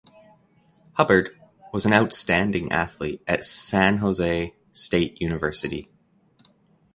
Hubbard was an outstanding athlete at San Jose State University.